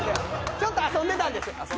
ちょっと遊んでたんです